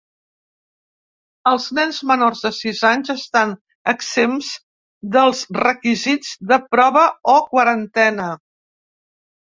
Els nens menors de sis anys estan exempts dels requisits de prova o quarantena.